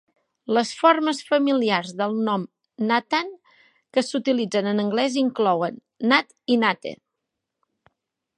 Les formes familiars del nom Nathan que s'utilitzen en anglès inclouen Nat i Nate.